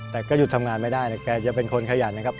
แต่ก็หยุดทำงานไม่ได้นะแกจะเป็นคนขยันนะครับ